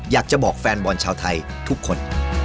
อยากจะบอกแฟนบอลชาวไทยทุกคน